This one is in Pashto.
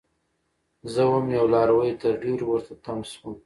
زه وم یو لاروی؛ تر ډيرو ورته تم شوم